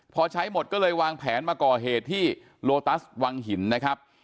พอใช้หมดก็เลยวางแผนมาก่อเหตุที่โลตัสวังหินนะครับ